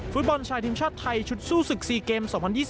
ฟุตบอลชายทีมชาติไทยชุดสู้ศึก๔เกม๒๐๒๐